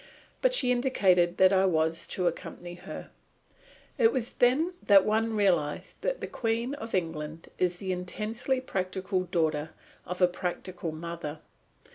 But she indicated that I was to accompany her. It was then that one realised that the Queen of England is the intensely practical daughter of a practical mother.